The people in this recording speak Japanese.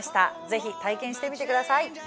ぜひ体験してみてください。